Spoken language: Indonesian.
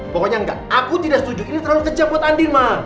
pokoknya enggak aku tidak setuju ini terlalu kejam buat andin ma